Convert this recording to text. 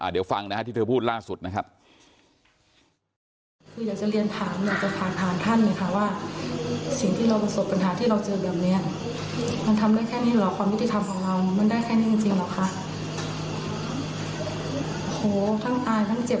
เดี๋ยวฟังนะฮะที่เธอพูดล่าสุดนะครับ